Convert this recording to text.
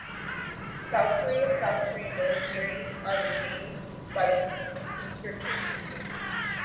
South Korea's South Korean military are retained by the conscription system.